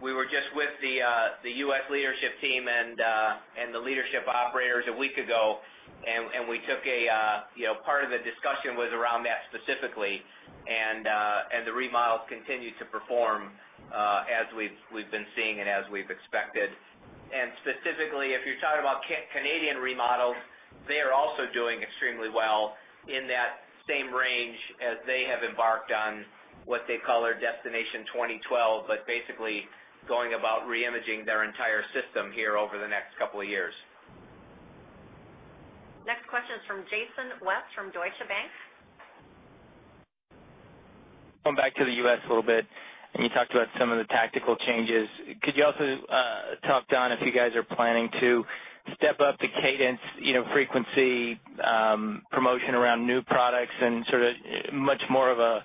We were just with the U.S. leadership team and the leadership operators a week ago, part of the discussion was around that specifically, and the remodels continue to perform as we've been seeing and as we've expected. Specifically, if you're talking about Canadian remodels, they are also doing extremely well in that same range as they have embarked on what they call their Destination 2012, but basically going about re-imaging their entire system here over the next couple of years. Next question is from Jason West from Deutsche Bank. Going back to the U.S. a little bit, you talked about some of the tactical changes. Could you also talk, Don, if you guys are planning to step up the cadence, frequency, promotion around new products and sort of much more of a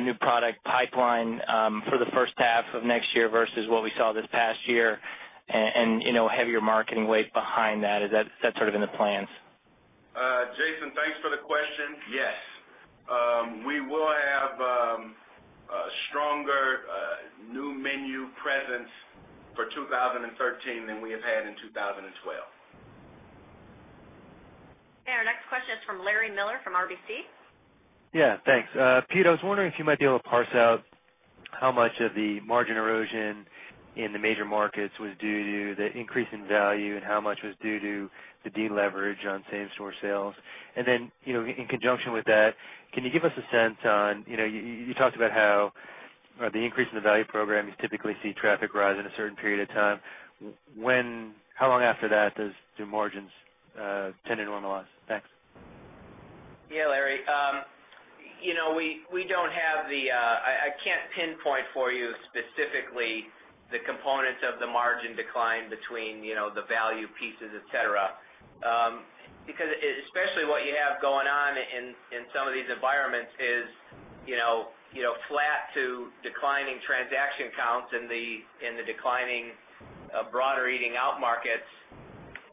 new product pipeline for the first half of next year versus what we saw this past year and heavier marketing weight behind that. Is that sort of in the plans? Jason, thanks for the question. Yes. We will have a stronger new menu presence for 2013 than we have had in 2012. Our next question is from Larry Miller from RBC. Yeah, thanks. Pete, I was wondering if you might be able to parse out how much of the margin erosion in the major markets was due to the increase in value and how much was due to the deleverage on same-store sales. In conjunction with that, can you give us a sense on, you talked about how the increase in the value program, you typically see traffic rise in a certain period of time. How long after that do margins tend to normalize? Thanks. Larry. I can't pinpoint for you specifically the components of the margin decline between the value pieces, et cetera. Especially what you have going on in some of these environments is flat to declining transaction counts in the declining broader eating out markets.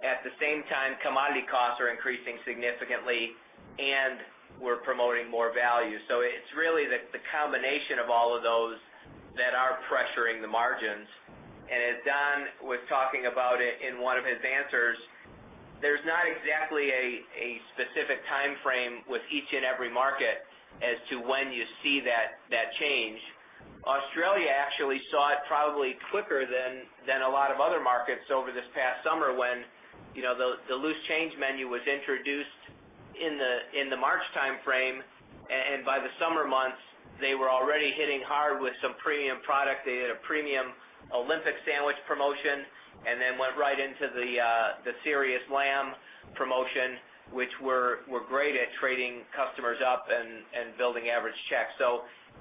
At the same time, commodity costs are increasing significantly, and we're promoting more value. It's really the combination of all of those that are pressuring the margins. As Don was talking about it in one of his answers, there's not exactly a specific timeframe with each and every market as to when you see that change. Australia actually saw it probably quicker than a lot of other markets over this past summer when the Loose Change Menu was introduced in the March timeframe, and by the summer months, they were already hitting hard with some premium product. They had a premium Olympic sandwich promotion, then went right into the Serious Lamb promotion, which were great at trading customers up and building average checks.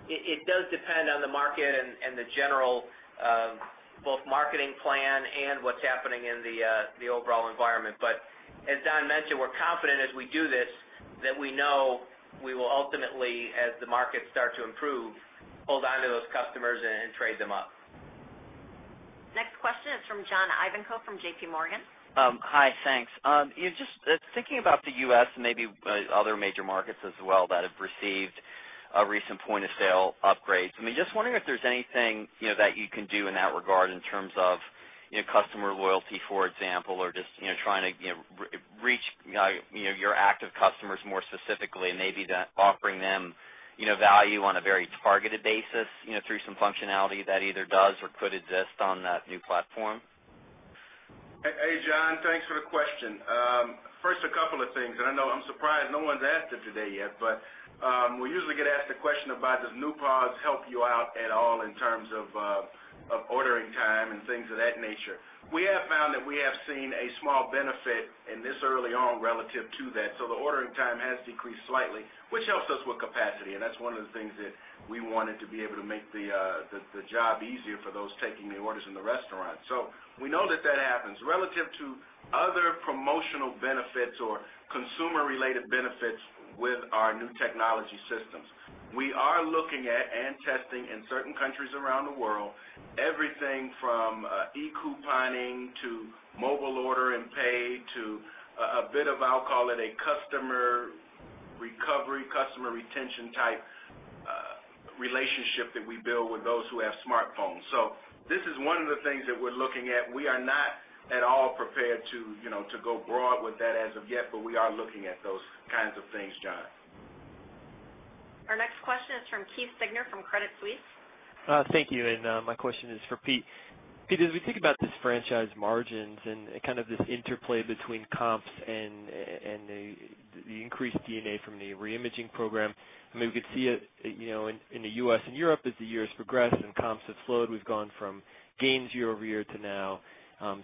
It does depend on the market and the general both marketing plan and what's happening in the overall environment. As Don mentioned, we're confident as we do this that we know we will ultimately, as the markets start to improve, hold onto those customers and trade them up. Next question is from John Ivankoe from J.P. Morgan. Hi, thanks. Just thinking about the U.S. and maybe other major markets as well that have received a recent point-of-sale upgrade. Just wondering if there's anything that you can do in that regard in terms of customer loyalty, for example, or just trying to reach your active customers more specifically and maybe offering them value on a very targeted basis through some functionality that either does or could exist on that new platform. John, thanks for the question. First a couple of things, I know I'm surprised no one's asked it today yet, we usually get asked a question about does new POS help you out at all in terms of ordering time and things of that nature. We have found that we have seen a small benefit in this early on relative to that. The ordering time has decreased slightly, which helps us with capacity, that's one of the things that we wanted to be able to make the job easier for those taking the orders in the restaurant. We know that that happens. Relative to other promotional benefits or consumer-related benefits with our new technology systems, we are looking at and testing in certain countries around the world, everything from e-couponing to mobile order and pay to a bit of, I'll call it a customer recovery, customer retention type relationship that we build with those who have smartphones. This is one of the things that we're looking at. We are not at all prepared to go broad with that as of yet, we are looking at those kinds of things, John. Our next question is from Keith Siegner from Credit Suisse. Thank you, my question is for Pete. Pete, as we think about these franchise margins and kind of this interplay between comps and the increased D&A from the reimaging program, we could see it in the U.S. and Europe as the years progress and comps have slowed. We've gone from gains year-over-year to now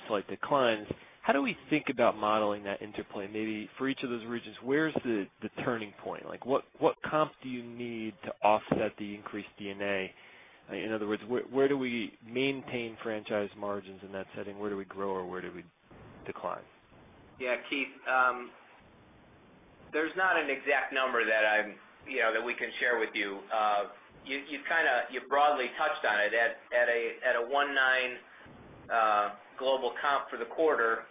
slight declines. How do we think about modeling that interplay? Maybe for each of those regions, where's the turning point? What comp do you need to offset the increased D&A? In other words, where do we maintain franchise margins in that setting? Where do we grow or where do we decline? Keith, there's not an exact number that we can share with you. You've broadly touched on it. At a 1.9% global comp for the quarter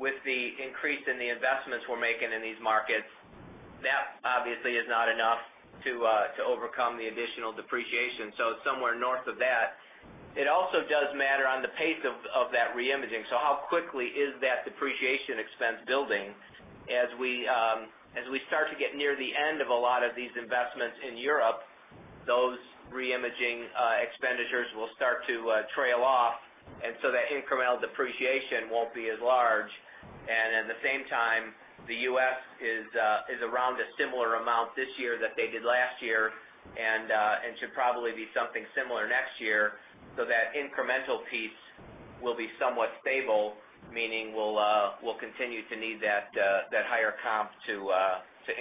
with the increase in the investments we're making in these markets, that obviously is not enough to overcome the additional depreciation. Somewhere north of that. It also does matter on the pace of that reimaging. How quickly is that depreciation expense building? As we start to get near the end of a lot of these investments in Europe, those reimaging expenditures will start to trail off, that incremental depreciation won't be as large. At the same time, the U.S. is around a similar amount this year that they did last year and should probably be something similar next year, that incremental piece will be somewhat stable, meaning we'll continue to need that higher comp to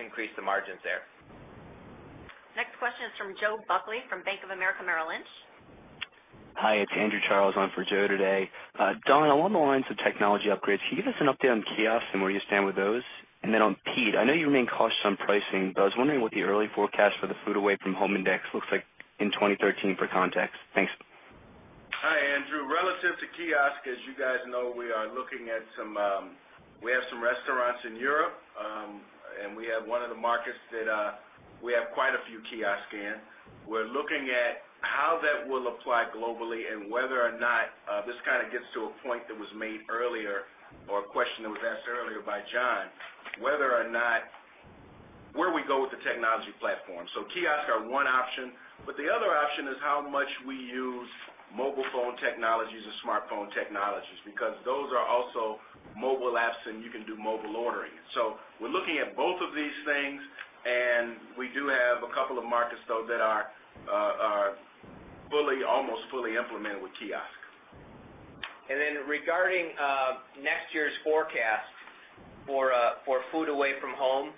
increase the margins there. Next question is from Joseph Buckley from Bank of America Merrill Lynch. Hi, it's Andrew Charles. I'm for Joe today. Don, along the lines of technology upgrades, can you give us an update on kiosks and where you stand with those? On Pete, I know you remain cautious on pricing, but I was wondering what the early forecast for the food away from home index looks like in 2013 for context. Thanks. Hi, Andrew. Relative to kiosks, as you guys know, we have some restaurants in Europe, and we have one of the markets that we have quite a few kiosks in. We're looking at how that will apply globally and whether or not, this kind of gets to a point that was made earlier, or a question that was asked earlier by John, where we go with the technology platform. Kiosks are one option, but the other option is how much we use mobile phone technologies or smartphone technologies, because those are also mobile apps, and you can do mobile ordering. We're looking at both of these things, and we do have a couple of markets, though, that are almost fully implemented with kiosks. Regarding next year's forecast for food away from home,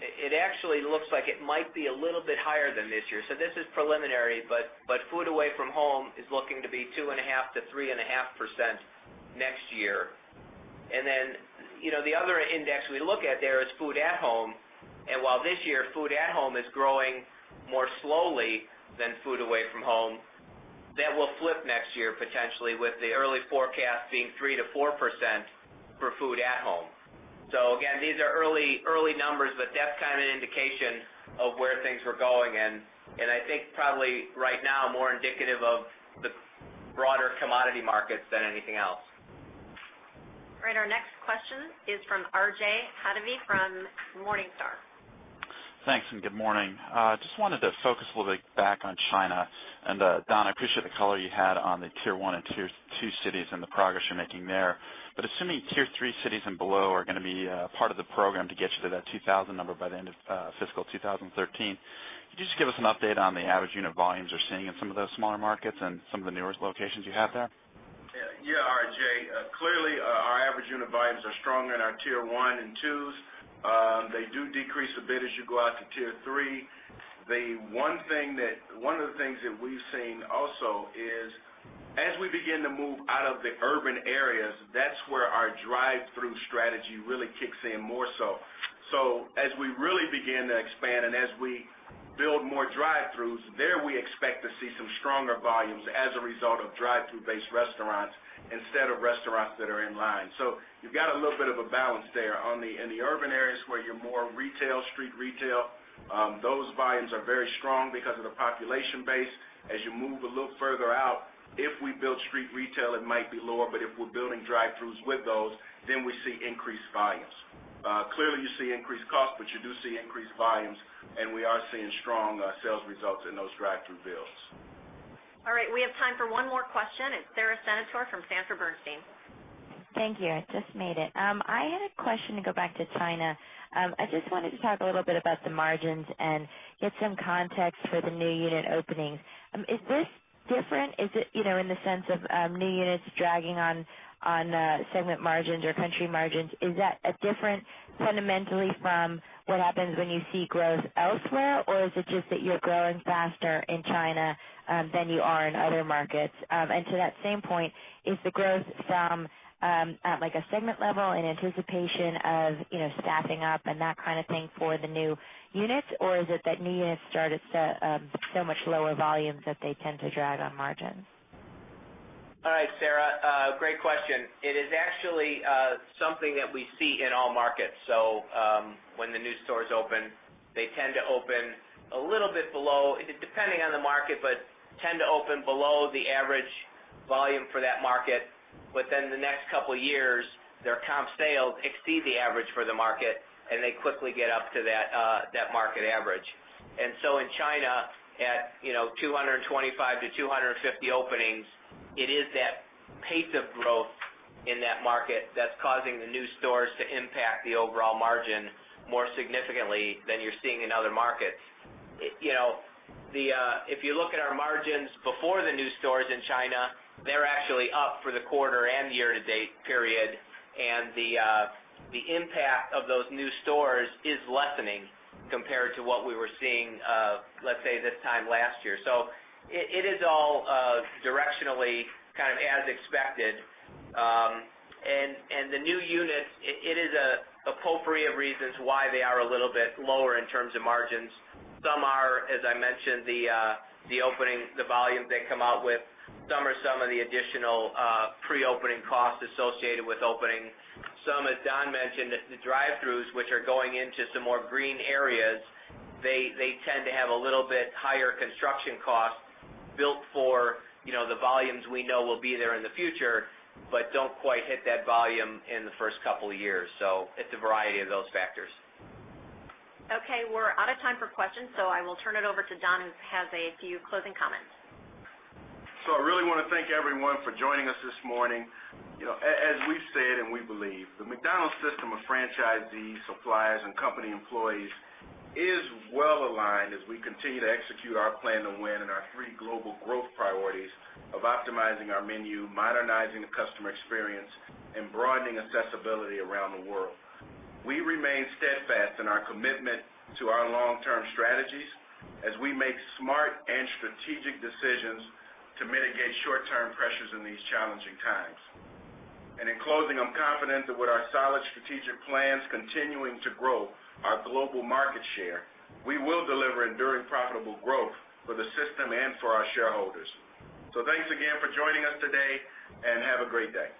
it actually looks like it might be a little bit higher than this year. This is preliminary, but food away from home is looking to be 2.5%-3.5% next year. The other index we look at there is food at home. While this year food at home is growing more slowly than food away from home, that will flip next year, potentially, with the early forecast being 3%-4% for food at home. Again, these are early numbers, but that's kind of an indication of where things were going, and I think probably right now, more indicative of the broader commodity markets than anything else. All right, our next question is from R.J. Hottovy from Morningstar. Thanks, and good morning. Just wanted to focus a little bit back on China. Don, I appreciate the color you had on the Tier 1 and Tier 2 cities and the progress you're making there. Assuming Tier 3 cities and below are going to be part of the program to get you to that 2,000 number by the end of fiscal 2013, could you just give us an update on the average unit volumes you're seeing in some of those smaller markets and some of the newest locations you have there? RJ. Clearly, our average unit volumes are stronger in our tier 1 and 2s. They do decrease a bit as you go out to tier 3. One of the things that we've seen also is as we begin to move out of the urban areas, that's where our drive-thru strategy really kicks in more so. As we really begin to expand and as we build more drive-thrus, there we expect to see some stronger volumes as a result of drive-thru based restaurants instead of restaurants that are in line. You've got a little bit of a balance there. In the urban areas where you're more retail, street retail, those volumes are very strong because of the population base. As you move a little further out, if we build street retail, it might be lower, but if we're building drive-thrus with those, then we see increased volumes. Clearly, you see increased costs, but you do see increased volumes, and we are seeing strong sales results in those drive-thru builds. All right. We have time for one more question. It's Sara Senatore from Sanford Bernstein. Thank you. I just made it. I had a question to go back to China. I just wanted to talk a little bit about the margins and get some context for the new unit openings. Is this different in the sense of new units dragging on segment margins or country margins? Is that different fundamentally from what happens when you see growth elsewhere, or is it just that you're growing faster in China than you are in other markets? To that same point, is the growth from a segment level in anticipation of staffing up and that kind of thing for the new units, or is it that new units start at so much lower volumes that they tend to drag on margins? All right, Sara. Great question. It is actually something that we see in all markets. When the new stores open, they tend to open a little bit below, depending on the market, but tend to open below the average volume for that market. In the next couple of years, their comp sales exceed the average for the market, and they quickly get up to that market average. In China, at 225-250 openings, it is that pace of growth in that market that's causing the new stores to impact the overall margin more significantly than you're seeing in other markets. If you look at our margins before the new stores in China, they're actually up for the quarter and year to date period. The impact of those new stores is lessening compared to what we were seeing, let's say, this time last year. It is all directionally as expected. The new units, it is a potpourri of reasons why they are a little bit lower in terms of margins. Some are, as I mentioned, the volume they come out with. Some are some of the additional pre-opening costs associated with opening. Some, as Don mentioned, the drive-thrus, which are going into some more green areas, they tend to have a little bit higher construction cost built for the volumes we know will be there in the future but don't quite hit that volume in the first couple of years. It's a variety of those factors. We're out of time for questions, I will turn it over to Don, who has a few closing comments. I really want to thank everyone for joining us this morning. As we've said, and we believe, the McDonald's system of franchisees, suppliers, and company employees is well aligned as we continue to execute our Plan to Win in our three global growth priorities of optimizing our menu, modernizing the customer experience, and broadening accessibility around the world. We remain steadfast in our commitment to our long-term strategies as we make smart and strategic decisions to mitigate short-term pressures in these challenging times. In closing, I'm confident that with our solid strategic plans continuing to grow our global market share, we will deliver enduring profitable growth for the system and for our shareholders. Thanks again for joining us today, and have a great day.